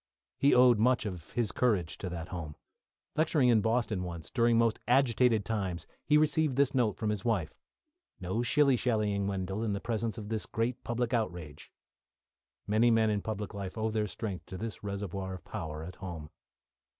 He owed much of his courage to that home. Lecturing in Boston once, during most agitated times, he received this note from his wife: "No shilly shallying, Wendell, in the presence of this great public outrage." Many men in public life owe their strength to this reservoir of power at home.